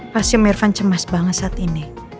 pasti mirvan cemas banget saat ini